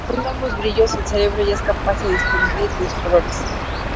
Comparando ambos brillos el cerebro ya es capaz de distinguir los colores.